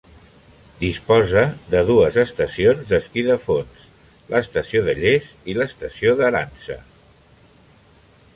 Disposa de dues estacions d'esquí de fons: l'Estació de Lles i l'Estació d'Arànser.